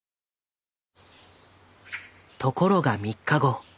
ところが３日後。